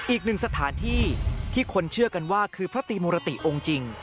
อีกหนึ่งสถานที่ที่คนเชื่อกันว่าคือพระตีมุรติองค์จริง